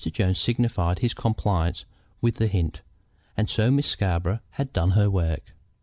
Jones signified his compliance with the hint, and so Miss Scarborough had done her work.